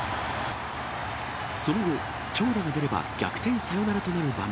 その後、長打が出れば逆転サヨナラとなる場面。